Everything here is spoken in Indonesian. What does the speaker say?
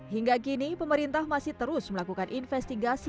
hingga kini pemerintah masih terus melakukan investigasi